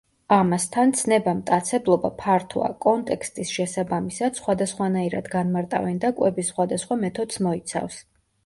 ამასთან, ცნება მტაცებლობა ფართოა, კონტექსტის შესაბამისად სხვადასხვანაირად განმარტავენ და კვების სხვადასხვა მეთოდს მოიცავს.